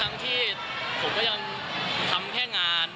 ทั้งที่ผมก็ยังทำแค่งาน